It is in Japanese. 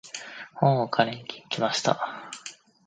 本を借りに行きました。